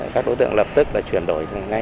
các đối tượng lập tức là chuyển đổi